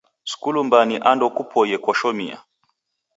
Skulu mbaa ni ando kupoie koshomia.